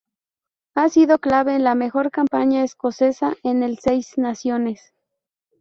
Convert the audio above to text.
Ha sido clave en la mejor campaña escocesa en el Seis Naciones.